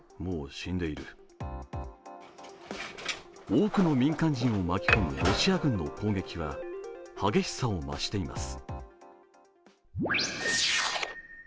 多くの民間人を巻き込むロシア軍の攻撃は激しさを増しています。